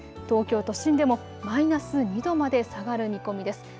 東京都心でもマイナス２度まで下がる見込みです。